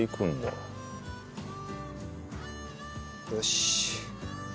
よし。